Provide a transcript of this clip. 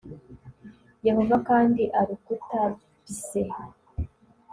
yehova kandi arukuta byse